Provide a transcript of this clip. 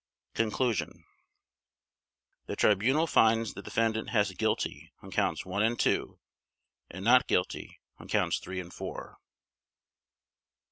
Conclusion The Tribunal finds the Defendant Hess guilty on Counts One and Two; and not guilty on Counts Three and Four.